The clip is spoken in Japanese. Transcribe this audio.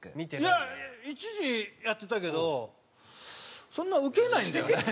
いや一時やってたけどそんなウケないんだよね。